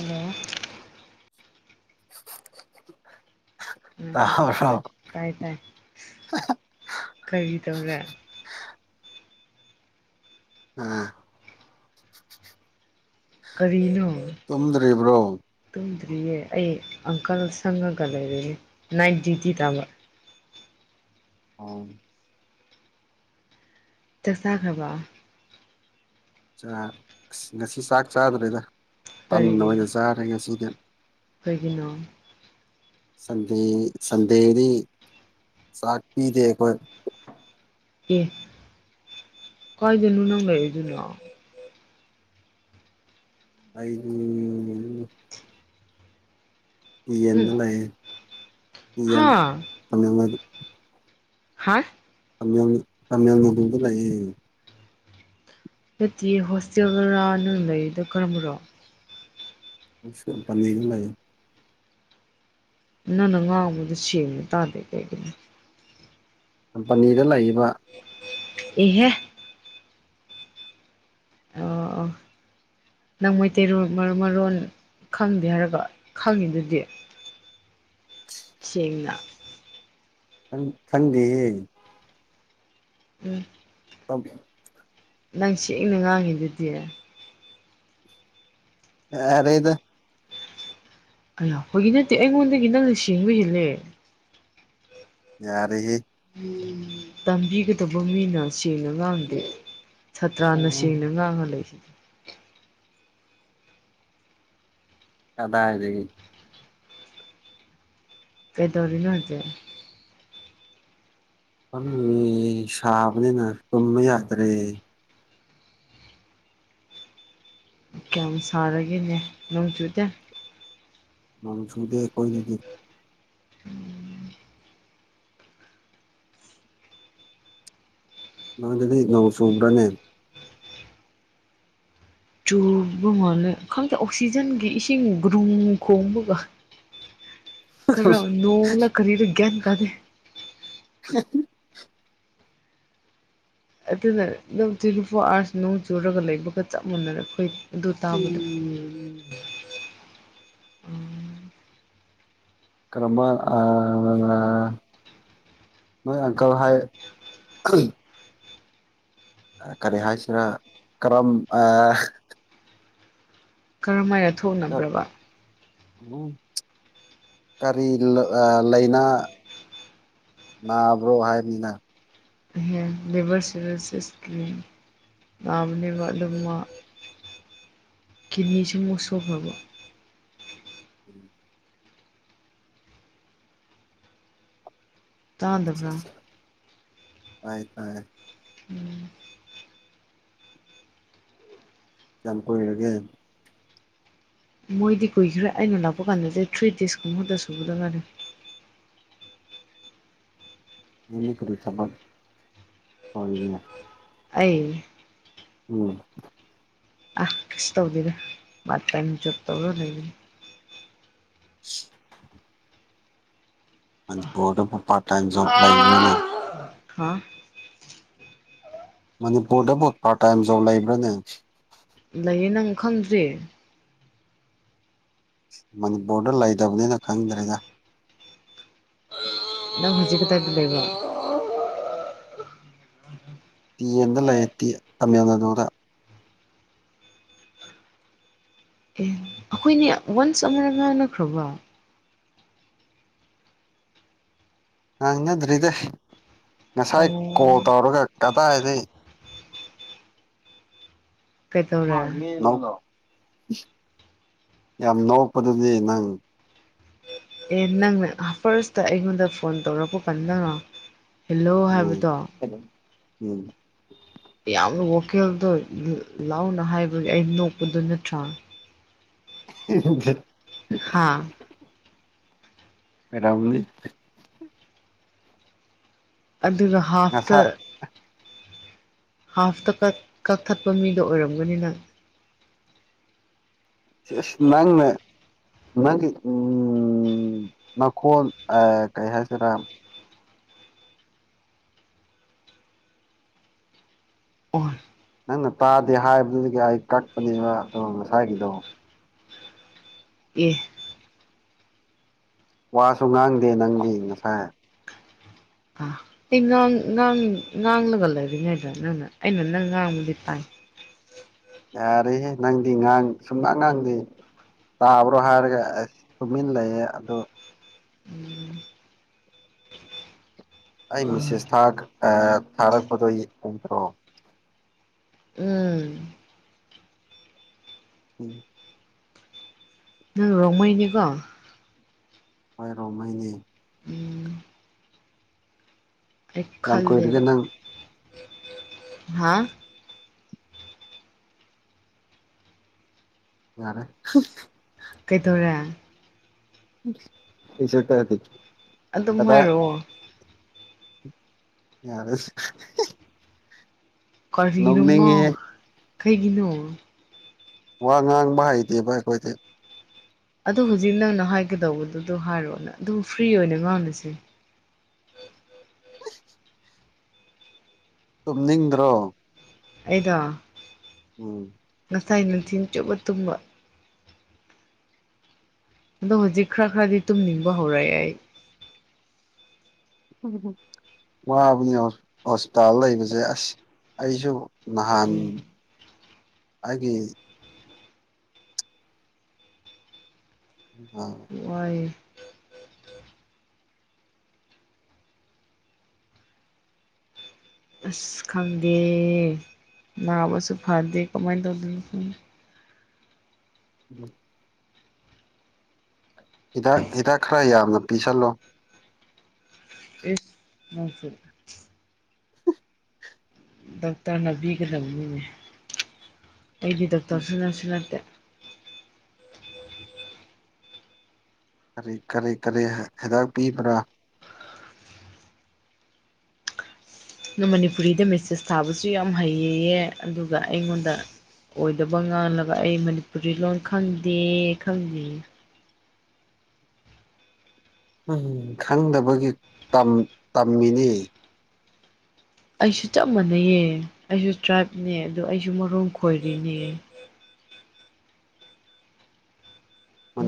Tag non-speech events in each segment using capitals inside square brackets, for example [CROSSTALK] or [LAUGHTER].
hello [UNINTELLIGIBLE] ꯎꯝ ꯇꯥ ꯍꯥ bro ꯇꯥꯏ ꯇꯥꯏ ꯍꯥ ꯍꯥ ꯀꯔꯤ ꯇꯧꯔꯦ ꯑꯥ ꯀꯔꯤꯅꯣ ꯇꯨꯝꯗ꯭ꯔꯤꯕ꯭ꯔꯣ ꯭ꯔꯤꯌꯦ ꯑꯩ ꯑꯪꯀꯜ ꯁꯪꯉꯒ ꯂꯩꯔꯤꯅꯦ ꯅꯥꯏꯠ ꯗ꯭ꯌꯨꯇꯤ ꯇꯥꯕ ꯑꯥ ꯆꯥꯛ ꯆꯥꯥꯈ꯭ꯔꯕ ꯆꯥ ꯑꯁ ꯉꯁꯤ ꯆꯥꯛ ꯆꯥꯗ꯭ꯔꯦꯗ ꯇꯟ ꯀꯔꯤꯒꯤꯅꯣ ꯑꯣꯏꯅ ꯆꯥꯔꯦ ꯉꯁꯤꯗꯤ ꯀꯩꯒꯤꯅꯣ ꯁꯟꯗꯦ ꯁꯟꯗꯦꯗꯤ ꯆꯥꯛ ꯄꯤꯗꯦ ꯑꯩꯈꯣꯏ ꯑꯦ ꯀꯥꯏꯗꯅꯣ ꯅꯪ ꯂꯩꯗꯨꯅ ꯑꯩꯗꯤ ꯎꯝ ꯌꯦꯗ ꯂꯩꯑꯦ ꯑꯦꯟ ꯍꯥ ꯇꯃꯤꯃꯜ ꯍꯥ ꯇꯥꯃꯦꯟ ꯇꯥꯃꯦꯜ ꯅꯥꯗꯨꯗ ꯂꯩꯌꯦ ꯅꯠꯇꯤꯌꯦ ꯍꯣꯁꯇꯦꯜꯗꯔ ꯅꯡ ꯂꯩꯔꯤꯗꯣ ꯀꯔꯝꯕꯔꯣ [UNINTELLIGIBLE] ꯅ ꯅꯪ ꯅꯥ ꯉꯥꯡꯕꯗꯣ ꯁꯦꯡꯅ ꯇꯥꯗꯦ ꯀꯩꯒꯤꯅꯣ ꯀꯝꯄꯅꯤꯗ ꯂꯩꯕ ꯏꯍꯦ ꯑꯣ [INAUDIBLE] ꯅꯪ ꯃꯩꯇꯩꯔꯣꯜ ꯃꯔ ꯃꯔꯣꯟ ꯈꯪꯗꯦ ꯍꯥꯏꯔꯒ ꯈꯪꯉꯤꯗꯨꯗꯤ ꯆꯦꯡꯅ ꯈꯡ ꯈꯡꯗꯦꯍꯦ ꯎꯝ [UNINTELLIGIBLE] ꯅꯪ ꯁꯦꯡꯅ ꯉꯥꯡꯉꯤꯗꯨꯗꯤ ꯌꯔꯦꯗꯥ ꯑꯌꯥ ꯐꯥꯒꯤ ꯅꯠꯇꯦ ꯑꯩꯉꯣꯟꯗꯒꯤ ꯅꯪꯅ ꯁꯦꯡꯕ ꯍꯦꯜꯂꯦ ꯌꯔꯦꯍꯦ ꯇꯝꯕꯤꯒꯗꯧꯕ ꯃꯤꯅ ꯁꯦꯡꯅ ꯉꯥꯡꯗꯦ ꯁꯥꯇ꯭ꯔꯥꯅ ꯁꯦꯡꯅ ꯉꯥꯡꯉ ꯂꯩ ꯀꯗꯥꯏꯗꯒꯤ ꯀꯩꯗꯧꯔꯤꯅꯣ ꯍꯧꯖꯤꯛ ꯐꯝꯃꯤꯌꯦ ꯁꯥꯥꯕꯅꯤꯅ ꯇꯨꯝꯃ ꯌꯥꯗꯔꯦ ꯀꯌꯥꯝ ꯁꯥꯔꯒꯦꯅꯦ ꯅꯣꯡ ꯆꯨꯗꯦ ꯅꯣꯡ ꯆꯨꯗꯦ ꯑꯈꯣꯏ ꯒꯤꯗꯤ ꯅꯣꯏꯗꯗꯤ ꯅꯣꯡ ꯁꯨꯕ꯭ꯔꯅꯦ ꯆꯨꯕ ꯃꯥꯜꯂꯦ ꯈꯪꯗꯦ ꯑꯣꯛꯁꯤꯖꯟꯒꯤ ꯏꯁꯤꯡ ꯒ꯭ꯔꯨꯝ ꯈꯣꯡꯕꯒ [INAUDIBLE] ꯈꯔ ꯅꯣꯡꯂ ꯀꯅꯤꯔꯥ ꯒꯌ꯭ꯥꯟ ꯇꯥꯗꯦ [INAUDIBLE] ꯑꯗꯨꯅ ꯑꯗꯨꯝ ꯇ꯭ꯋꯦꯟꯇꯤ ꯐꯣꯔ ꯑꯥꯋꯥꯔꯁ ꯅꯣꯡ ꯆꯨꯔꯒ ꯂꯩꯕꯒ ꯆꯞ ꯃꯥꯟꯅꯔꯥ ꯑꯩꯈꯣꯏ ꯑꯗꯨ ꯇꯥꯕꯗꯣ [INAUDIBLE] ꯀꯔꯝꯕ ꯑꯥ ꯑꯥ ꯅꯣꯏ ꯑꯡꯀꯜ ꯍꯥꯏ ꯀꯔꯤ ꯍꯥꯏꯁꯤꯔꯥ ꯀꯔꯝ ꯀꯔꯝ ꯍꯥꯏꯅ ꯊꯣꯛꯅꯕ꯭ꯔꯕ ꯀꯔꯤ ꯂꯩꯅ ꯅꯥꯕ꯭ꯔꯣ ꯍꯥꯏꯅꯤꯅ ꯂꯤꯕꯔ ꯁꯤꯔꯣꯁꯤꯁ ꯅꯕꯅꯦꯕꯥ ꯑꯗꯨꯒ ꯃꯥ ꯀꯤꯗꯅꯤꯁꯨ ꯃꯨꯛ ꯁꯣꯛ ꯈꯔ꯭ꯕ ꯑꯩ ꯇꯗꯕꯔꯥ ꯇꯥꯏ ꯇꯥꯏ ꯎꯝ ꯀꯌꯥꯝ ꯀꯨꯏꯔꯥꯒꯦ ꯃꯣꯏꯗꯤ ꯀꯨꯏꯈ꯭ꯔꯦ ꯑꯩꯅ ꯂꯥꯛꯄ ꯀꯥꯟꯗꯗꯤ ꯊ꯭ꯔꯤ ꯗꯦꯖ ꯀꯨꯝꯕꯗ ꯁꯨꯕꯗꯥ ꯉꯥꯌꯔꯤ ꯅꯡꯗꯤ ꯀꯔꯤ ꯊꯕꯛ ꯇꯧꯔꯤꯒꯦ ꯑꯩ ꯎꯝ ꯑꯥ ꯀꯩꯁꯨ ꯇꯧꯗꯦꯗꯥ ꯃꯥꯇꯝ ꯆꯞ ꯇꯧꯔ ꯂꯩꯔꯤ ꯁꯤ ꯃꯅꯤꯄꯨꯔꯗꯕꯨ ꯄꯥꯔꯠ ꯇꯥꯏꯝ ꯖꯣꯕ ꯂꯩꯕ꯭ꯔꯅꯤ ꯍꯥꯥ ꯃꯅꯤꯄꯨꯔꯗꯕꯨ ꯄꯥꯔꯠ ꯇꯥꯏꯝ ꯖꯣꯕ ꯂꯩꯕ꯭ꯔꯅꯦ ꯂꯩꯌꯦ ꯅꯪ ꯈꯪꯗ꯭ꯔꯤ ꯃꯅꯤꯄꯨꯔꯗ ꯂꯩꯇꯕꯅꯤꯅ ꯈꯪꯗ꯭ꯔꯦꯗ ꯅꯪ ꯍꯧꯖꯤꯛ ꯀꯗꯥꯏꯗ ꯂꯩꯕꯔꯣ ꯇꯤ ꯑꯦꯟꯗ ꯇꯤ ꯇꯃꯤꯜꯅꯗꯨꯗ ꯑꯩꯈꯣꯏꯅꯦ ꯋꯥꯟꯁ ꯑꯃꯨꯔꯛ ꯉꯥꯡꯅꯈ꯭ꯔꯕ ꯉꯥꯡꯅꯗ꯭ꯔꯤꯗ ꯉꯁꯥꯏ ꯑꯣ ꯀꯣꯜ ꯇꯧꯔꯒ ꯀꯗꯥꯏꯗꯩ ꯀꯩꯗꯧꯔꯦ ꯃꯥꯒꯂꯤꯗ ꯌꯥꯝ ꯅꯣꯛꯄꯗꯨꯗꯤ ꯅꯪ ꯑꯦ ꯅꯪꯅ ꯐꯥꯔꯁꯇ ꯑꯩꯉꯣꯟꯗ ꯐꯣꯟ ꯇꯧꯔꯛꯄ ꯀꯟꯗꯔꯣ ꯍꯦꯜꯂꯣ ꯎꯝ ꯍꯥꯏꯕꯗꯣ ꯎꯝ ꯌꯥꯝꯅ ꯋꯥꯈꯗꯣ ꯂ ꯂꯥꯎꯅ ꯍꯥꯏꯕꯒꯤ ꯑꯩ ꯅꯣꯛꯄꯗꯨ ꯅꯠꯇ꯭ꯔꯥ ꯍ ꯍ ꯍ ꯍꯥ ꯄꯦꯔꯕꯅꯤ ꯑꯗꯨꯒ ꯍꯥꯐꯇ ꯉꯁꯥꯏ ꯍꯥꯐꯇ ꯀꯛ ꯀꯛꯊꯠꯄ ꯃꯤꯗꯣ ꯑꯣꯏꯔꯝꯒꯅꯤꯅꯪ ꯁ ꯑꯁ ꯅꯪꯅ ꯅꯪꯒꯤ ꯎꯝ ꯅꯈꯣꯜ ꯑ ꯀꯩꯍꯥꯏꯇꯔꯥ ꯑꯣ ꯅꯪꯅ ꯇꯥꯗꯦ ꯍꯥꯏꯕꯗꯨꯗꯒꯤ ꯑꯩ ꯀꯛꯄꯅꯦꯕ ꯑꯗꯣ ꯉꯁꯥꯏꯒꯤꯗꯣ ꯑꯦ ꯋꯥꯁꯨ ꯉꯥꯡꯗꯦ ꯅꯪꯗꯤ ꯉꯁꯥꯏ ꯑ ꯑꯩ ꯉꯥꯡ ꯉꯥꯡ ꯉꯥꯡꯂꯒ ꯂꯩꯕꯅꯦ ꯐꯖꯅ ꯑꯩꯅ ꯅꯪ ꯉꯥꯡꯕꯗꯤ ꯇꯥꯏ ꯌꯥꯔꯦ ꯍꯦ ꯅꯪꯗꯤ ꯉꯥꯡ ꯁꯨꯝꯉꯥꯡ ꯉꯥꯡꯗꯦ ꯇꯥꯕ꯭ꯔꯣ ꯍꯥꯏꯔꯒ ꯑꯁ ꯇꯨꯃꯤꯟ ꯂꯩꯌꯦ ꯑꯗꯨ ꯑꯩ ꯃꯤꯁꯦꯁ ꯊꯥꯛ ꯑ ꯊꯥꯔꯛꯄꯗꯣ ꯌꯦꯡꯗ꯭ꯔꯣ ꯎꯝ ꯎꯝ ꯔꯣꯡꯃꯩꯅꯤ ꯀꯣ ꯍꯣꯏ ꯔꯣꯡꯃꯩꯅꯤ ꯎꯝ ꯑꯩ ꯌꯥꯝ ꯈꯜ ꯀꯨꯏꯔꯒꯦ ꯂꯦꯕ ꯅꯪ ꯍꯥꯥ ꯌꯥꯔꯦ ꯀꯩꯗꯧꯔꯦ ꯀꯩꯁꯨ ꯇꯥꯗꯦ ꯑꯗꯨꯝ ꯍꯥꯏꯔꯛꯑꯣ ꯌꯥꯔꯦ ꯀꯔꯤꯅꯣ ꯉꯣ ꯅꯣꯛꯅꯤꯡꯉꯦ ꯀ꯭ꯔꯤꯒꯤꯅꯣ ꯋꯥ ꯉꯥꯡꯕ ꯍꯩꯇꯦꯕ ꯑꯩꯈꯣꯏꯗꯤ ꯑꯗꯨ ꯍꯧꯖꯤꯛ ꯅꯪꯅ ꯍꯥꯏꯒꯗꯧꯕꯗꯨꯗꯣ ꯍꯥꯏꯔꯣꯑꯣꯅ ꯑꯗꯨꯝ ꯐ꯭ꯔꯤ ꯑꯣꯏꯅ ꯉꯥꯎꯅꯁꯦ ꯇꯨꯝꯅꯤꯡꯗ꯭ꯔꯣ ꯑꯩꯗꯣ ꯎꯝ ꯉꯁꯥꯏ ꯅꯨꯡꯊꯤꯟ ꯆꯨꯞꯕ ꯇꯨꯝꯕ ꯑꯗꯣ ꯍꯧꯖꯤꯛ ꯈꯔ ꯈꯔꯗꯤ ꯇꯨꯝ ꯅꯤꯡꯕ ꯍꯧꯔꯛꯑꯦ ꯑꯩ ꯎ ꯋꯥꯕꯅꯤ ꯍꯣꯁꯄꯤꯇꯥꯜ ꯂꯩꯕꯁꯦ ꯑꯁ ꯑꯩꯁꯨ ꯅꯍꯥꯟ ꯎꯝ ꯑꯩꯒꯤ ꯋꯥꯏꯌꯦ ꯑꯁ ꯈꯪꯗꯦ ꯅꯥꯕꯁꯨ ꯐꯗꯦ ꯀꯃꯥꯏꯅ ꯇꯧꯗꯣꯏꯅꯣ ꯈꯪꯗꯦ ꯎꯝ ꯍꯤꯗꯥꯛ ꯍꯤꯗꯥꯛ ꯈꯔ ꯌꯥꯝꯅ ꯄꯤꯁꯜꯂꯣ ꯏꯁ ꯃꯁꯤ ꯗꯣꯛꯇꯔꯅꯥ ꯄꯤꯒꯗꯕꯅꯤꯅꯦ ꯑꯩꯗꯤ ꯗꯣꯛꯇꯔꯁꯨ ꯅꯠꯁꯨ ꯅꯠꯇꯦ ꯑꯗꯤ ꯀꯔꯤ ꯀꯔꯤ ꯍꯤꯗꯥꯛ ꯄꯤꯕ꯭ꯔꯥ ꯑꯗꯨ ꯃꯅꯤꯄꯨꯔꯤꯗ ꯃꯦꯁꯦꯁ ꯊꯥꯕꯁꯨ ꯌꯥꯝ ꯍꯩꯌꯦꯌꯦ ꯑꯗꯨꯒ ꯑꯩꯉꯣꯟꯗ ꯑꯣꯏꯗꯕ ꯉꯥꯡꯂꯒ ꯑꯩ ꯃꯅꯤꯄꯨꯔꯤ ꯂꯣꯟ ꯈꯪꯗꯦ ꯈꯪꯗꯦ ꯎꯝ ꯈꯪꯗꯕꯒꯤ ꯇꯝ ꯇꯝꯃꯤꯅꯦ ꯑꯩꯁꯨ ꯆꯞ ꯃꯥꯟꯅꯩꯌꯦ ꯑꯩꯁꯨ ꯇ꯭ꯔꯥꯏꯞꯅꯦ ꯑꯗꯣ ꯑꯩꯁꯨ ꯃꯔꯣꯜ ꯈꯣꯏꯔꯤꯅꯦ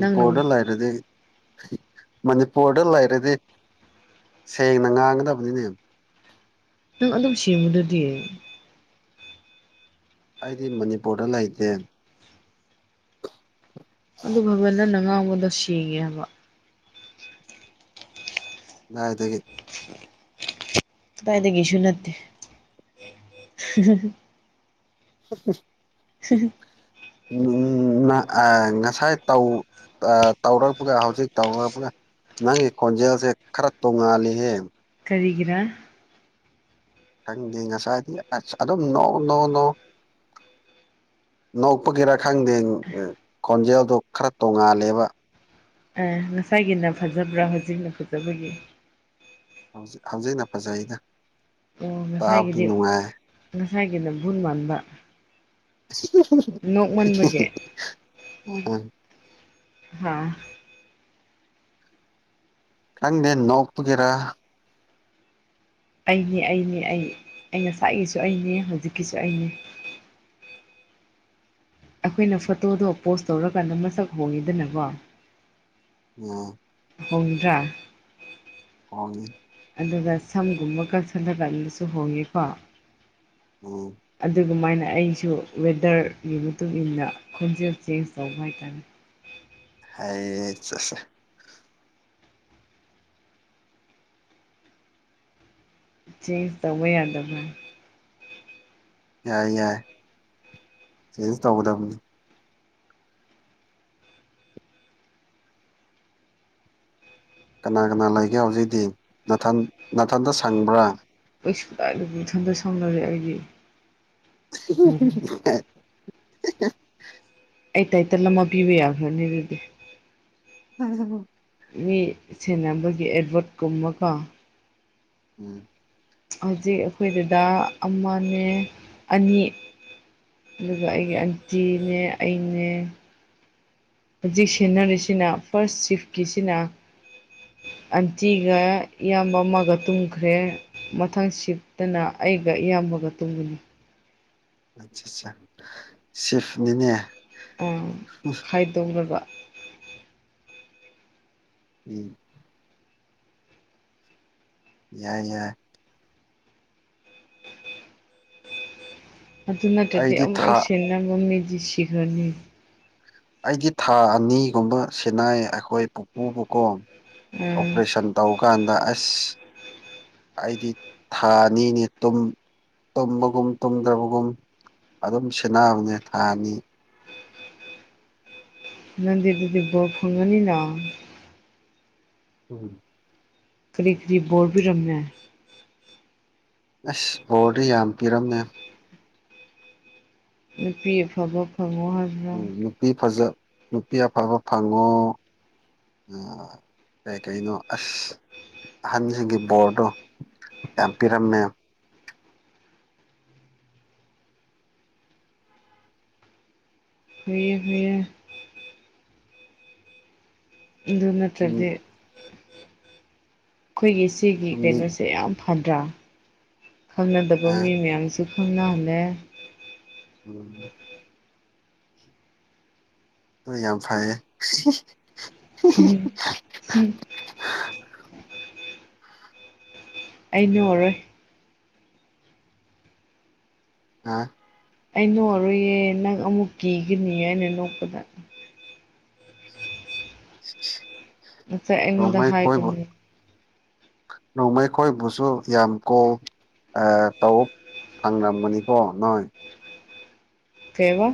ꯅꯪꯅ ꯂꯩꯔꯗꯤ ꯃꯅꯤꯄꯨꯔꯗ ꯂꯩꯔꯗꯤ ꯁꯦꯡꯅ ꯉꯥꯡꯒꯗꯕꯅꯤꯅꯦ ꯅꯪ ꯑꯗꯨꯝ ꯁꯦꯡꯕꯗꯨꯗꯤ ꯑꯩꯗꯤ ꯃꯅꯤꯄꯨꯔꯗ ꯂꯩꯇꯦ ꯑꯗꯨ ꯐꯥꯎꯕ ꯅꯪꯅ ꯉꯥꯡꯕꯗꯣ ꯁꯦꯡꯉꯦ ꯍꯥꯏꯕ ꯥꯀꯥꯗꯥꯏꯗꯒꯤ ꯀꯥꯇꯥꯏꯗꯒꯤꯁꯨ ꯅꯠꯇꯦ ꯍꯥ ꯍꯥ ꯍꯥ ꯍꯤ ꯍꯤ ꯉꯁꯥꯏ ꯇꯧꯔꯛꯄꯒ ꯍꯧꯖꯤꯛ ꯇꯧꯔꯛꯄꯒ ꯅꯪꯒꯤ ꯈꯣꯟꯖꯦꯜꯁꯦ ꯈꯔ ꯇꯣꯡꯉꯥꯜꯂꯤꯍꯦ ꯀꯔꯤꯒꯤꯔꯥ ꯈꯪꯗꯦ ꯉꯁꯥꯏꯗꯤ ꯑꯗꯨꯝ ꯅꯣ ꯅꯣꯅꯣ ꯅꯣꯛꯄꯒꯤꯔꯥ ꯈꯪꯗꯦ ꯈꯣꯟꯖꯦꯜꯗꯨ ꯈꯔ ꯇꯣꯉꯥꯜꯂꯦꯕ ꯑꯥ ꯉꯁꯥꯏꯒꯤꯅ ꯐꯖꯕ꯭ꯔꯥ ꯍꯧꯖꯤꯛꯅ ꯐꯖꯕꯒꯤ ꯌꯦꯡ ꯍꯧꯖꯤꯛ ꯍꯧꯖꯤꯛꯅ ꯐꯖꯩꯩꯗ ꯇꯥꯕꯗꯨ ꯅꯨꯡꯉꯥꯏ ꯉꯥꯁꯥꯏꯒꯤꯅ ꯕꯨꯨꯠ ꯃꯥꯟꯕ ꯅꯣꯛꯃꯟꯕꯒꯤ ꯎꯝ ꯍꯥ ꯈꯪꯗꯦ ꯅꯣꯛꯄꯒꯤꯔ ꯑꯩꯅꯦ ꯑꯩꯅꯦ ꯑꯩ ꯑꯩ ꯉꯁꯥꯒꯤꯁꯨ ꯑꯩꯅꯦ ꯍꯧꯖꯤꯛꯀꯤꯁꯨ ꯑꯩꯅꯦ ꯑꯩꯈꯣꯏꯅ ꯐꯣꯇꯣꯗꯣ ꯄꯣꯁ ꯇꯧꯔꯀꯥꯟꯗ ꯃꯁꯛ ꯍꯣꯡꯉꯤꯗꯅꯀꯣ ꯎꯝ ꯍꯧꯡꯗ꯭ꯔꯥ ꯍꯣꯡꯉꯤ ꯑꯗꯨꯒ ꯁꯝꯒꯨꯝꯕ ꯀꯛꯊꯠꯂ ꯀꯥꯟꯗꯁꯨ ꯍꯣꯡꯉꯤꯀꯣ ꯎꯝ ꯑꯗꯨꯒꯨꯃꯥꯏꯅ ꯑꯩꯁꯨ ꯋꯦꯗꯔꯒꯤ ꯃꯇꯨꯡꯏꯟꯅ ꯈꯣꯟꯖꯦꯜ ꯆꯦꯟꯖ ꯇꯧꯕ ꯍꯥꯏꯇꯥꯔꯦ ꯍꯦ ꯆꯠꯁꯦ ꯆꯦꯟꯖ ꯇꯧꯕ ꯌꯥꯗꯕ꯭ꯔꯥ ꯌꯥꯏ ꯌꯥꯏ ꯆꯦꯟꯖ ꯇꯧꯒꯗꯕꯅꯤ ꯀꯅꯥ ꯀꯅꯥ ꯂꯩꯒꯦ ꯍꯧꯖꯤꯛꯇꯤ ꯅꯥꯊꯟ ꯅꯥꯊꯟꯇ ꯁꯪꯕ꯭ꯔꯥ ꯀꯩꯁꯨ ꯀꯥꯏꯗ ꯏꯊꯟꯇ ꯁꯥꯎꯅꯔꯦ ꯑꯩꯒꯤ ꯍꯥ ꯍꯥ ꯍꯥ ꯍꯥ ꯑꯩ ꯇꯥꯏꯇꯜ ꯑꯃ ꯄꯤꯕ ꯌꯥꯈ꯭ꯔꯅꯤ ꯑꯗꯨꯗꯤ ꯍꯥ ꯍꯥ ꯍꯥ ꯃꯤ ꯁꯦꯟꯅꯕꯒꯤ ꯑꯦꯗꯚꯣꯠꯀꯨꯝꯕꯀꯣ ꯎꯝ ꯍꯧꯖꯤꯛ ꯑꯩꯈꯣꯏ ꯗꯥꯗꯥ ꯑꯃꯅꯦ ꯑꯅꯤ ꯑꯗꯨꯒ ꯑꯩꯒꯤ ꯑꯟꯇꯤꯅꯦ ꯑꯩꯅꯦ ꯍꯧꯖꯤꯛ ꯁꯦꯟꯅꯔꯤꯁꯤꯅ ꯐꯥꯔꯁ ꯁꯤꯐꯀꯤꯁꯤꯅ [INAUDIBLE] ꯑꯟꯇꯤꯒ ꯏꯌꯥꯝꯕ ꯑꯃꯒ ꯇꯨꯝꯈ꯭ꯔꯦ ꯃꯊꯪ ꯁꯤꯠꯇꯅ ꯑꯩꯒ ꯏꯌꯥꯝꯕ ꯃꯒ ꯇꯨꯝꯒꯅꯤ ꯑꯆꯥ ꯑꯆꯥ ꯁꯤꯐꯅꯤꯅꯦ ꯑꯥ ꯈꯥꯏꯗꯣꯛ ꯔꯒ ꯎꯝ ꯌꯥꯏ ꯌꯥꯏ ꯑꯗꯨ ꯅꯠꯇ꯭ꯔꯗꯤ ꯑꯩꯗꯤ ꯑꯃꯨꯛ ꯊꯥ ꯁꯦꯟꯅꯕ ꯃꯤꯗꯤ ꯁꯤꯈ꯭ꯔꯅꯤ ꯑꯩꯗꯤ ꯊꯥ ꯑꯅꯤꯒꯨꯝꯕ ꯁꯤꯅꯥꯏ ꯑꯩꯈꯣꯏ ꯄꯨꯄꯨꯕꯨꯀꯣ ꯑꯣꯄꯔꯦꯁꯟ ꯇꯧꯀꯥꯟꯗ ꯑꯦꯁ ꯑꯩꯗꯤ ꯊꯥꯅꯤꯅꯤ ꯇꯨꯝ ꯇꯨꯝꯕꯒꯨꯝ ꯇꯨꯝꯗ꯭ꯔꯕꯒꯨꯝ ꯑꯗꯨꯝ ꯁꯦꯟꯅꯕꯅꯦ ꯊꯥ ꯑꯅꯤ ꯅꯡꯗꯤ ꯑꯗꯨꯗꯤ ꯕꯣꯔ ꯐꯪꯉꯅꯤꯅ ꯎꯝ ꯀꯔꯤ ꯀꯔꯤ ꯕꯣꯔꯄꯤꯔꯝꯃꯦ ꯑꯁ ꯕꯣꯔꯗꯤ ꯌꯥꯝ ꯄꯤꯔꯝꯃꯦ ꯅꯨꯄꯤ ꯑꯐꯕ ꯐꯕ ꯎꯝ ꯅꯨꯄꯤ ꯐꯖ ꯅꯨꯄꯤ ꯑꯐꯕ ꯐꯪꯉꯣ ꯑꯤ ꯀꯥꯏ ꯀꯩꯅꯣ ꯑꯁ ꯑꯍꯟꯁꯤꯡꯒꯤ ꯕꯣꯔꯗꯣ ꯌꯥꯝ ꯄꯤꯔꯝꯃꯦ ꯐꯩꯌꯦ ꯐꯩꯌꯦ ꯑꯗꯨ ꯅꯠꯇ꯭ꯔꯗꯤ ꯇꯨꯝꯅꯤꯡ ꯑꯩꯈꯣꯏꯒꯤ ꯁꯤꯒꯤ ꯇꯨꯝꯅꯤꯡ ꯀꯩꯅꯣꯁꯦ ꯌꯥꯝ ꯐꯗ꯭ꯔꯥ ꯈꯪꯅꯗꯕ ꯑꯥ ꯃꯤ ꯃꯌꯥꯝꯁꯨ ꯈꯪꯅꯍꯜꯂꯦ ꯎꯝ ꯌꯥꯝ ꯐꯩꯌꯦ ꯁꯤꯔꯤ ꯁꯤꯔꯤ ꯑꯩꯩ ꯅꯣꯛꯑꯔꯣꯏ ꯑꯥ ꯑꯩ ꯅꯣꯛꯑꯔꯣꯏꯌꯦ ꯅꯪ ꯑꯃꯨꯛ ꯀꯤꯒꯅꯤ ꯑꯩꯅ ꯅꯣꯛꯄꯗ [INAUDIBLE] ꯑꯆꯩ ꯑꯩꯉꯣꯟꯗ ꯍꯥꯏꯕꯅꯤ ꯅꯣꯡꯃꯩꯈꯣꯏꯕꯨꯁꯨ ꯌꯥꯝ ꯀꯣ ꯑꯥ ꯇꯧ ꯊꯥꯡꯔꯝ ꯅꯤꯀꯣ ꯅꯣꯏ ꯀꯩꯕ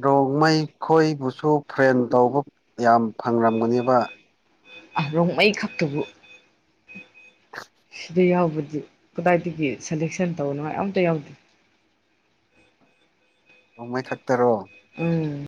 ꯕ꯭ꯔꯣꯡꯃꯩ ꯈꯣꯏꯕꯨꯁꯨ ꯐ꯭ꯔꯦꯟ ꯇꯧꯕ ꯌꯥꯝ ꯐꯪꯔꯝꯒꯅꯦꯕ ꯔꯣꯡꯃꯩ ꯈꯛꯇꯕꯨ ꯍꯥꯏꯗꯤ ꯀꯗꯥꯏꯗꯒꯤ ꯁꯦꯂꯦꯛꯁꯟ ꯇꯧꯅꯉꯥꯏ ꯑꯝꯇ ꯌꯥꯎꯗꯦ ꯅꯣꯡꯃꯩ ꯈꯛꯇꯔꯣ ꯎꯝ